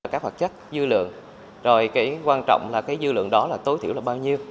các hoạt chất dư lượng rồi quan trọng là dư lượng đó tối thiểu là bao nhiêu